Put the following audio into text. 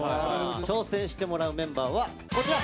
挑戦してもらうメンバーはこちら。